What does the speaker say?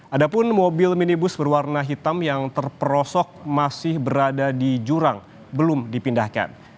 ada pun mobil minibus berwarna hitam yang terperosok masih berada di jurang belum dipindahkan